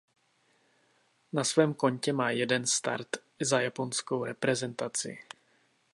Na svém kontě má jeden start za japonskou reprezentaci.